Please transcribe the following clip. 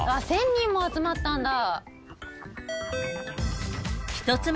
１，０００人も集まったんだ。